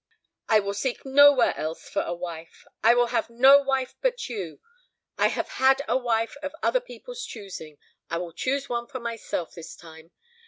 "I will seek nowhere else for a wife; I will have no wife but you. I have had a wife of other people's choosing; I will choose one for myself this time.